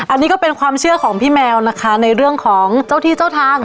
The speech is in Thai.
อันนี้ก็เป็นความเชื่อของพี่แมวนะคะในเรื่องของเจ้าที่เจ้าทาง